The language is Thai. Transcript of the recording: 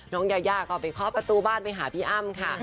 ยายาก็ไปเคาะประตูบ้านไปหาพี่อ้ำค่ะ